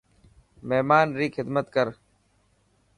مهمان ري خدمت ڪر.